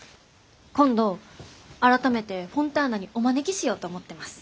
今度改めてフォンターナにお招きしようと思ってます。